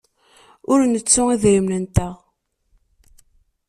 Ur nettu idrimen-nteɣ.